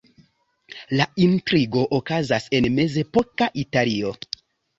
La intrigo okazas en mezepoka Italio.